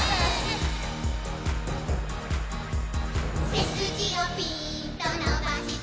「せすじをピーンとのばして」